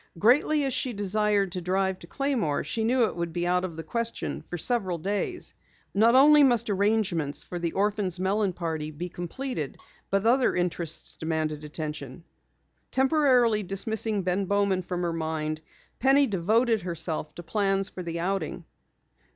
Greatly as she desired to drive to Claymore, she knew it would be out of the question for several days. Not only must arrangements for the orphans' melon party be completed, but other interests demanded attention. Temporarily dismissing Ben Bowman from her mind, Penny devoted herself to plans for the outing.